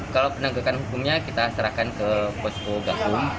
kalau penanggakan hukumnya kita serahkan ke posko gabung